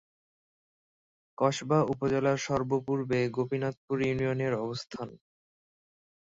কসবা উপজেলার সর্ব-পূর্বে গোপীনাথপুর ইউনিয়নের অবস্থান।